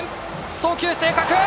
送球、正確！